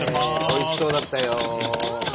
おいしそうだったよ！